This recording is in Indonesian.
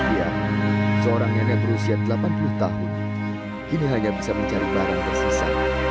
ya seorang nenek berusia delapan puluh tahun kini hanya bisa mencari barang tersisa